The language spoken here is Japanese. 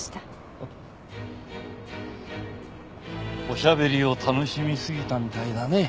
おしゃべりを楽しみすぎたみたいだね。